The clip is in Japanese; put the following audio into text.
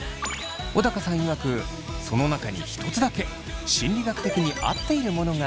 小高さんいわくその中にひとつだけ心理学的に合っているものがありました。